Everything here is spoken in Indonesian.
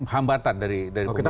hambatan dari pemerintah